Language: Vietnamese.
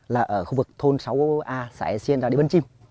là ở khu vực thôn sáu a xã hải siên ra đi bân chim